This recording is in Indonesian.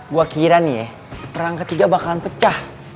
gue kira nih ya perang ketiga bakalan pecah